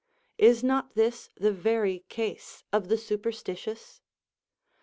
Is not this the very case of the superstitious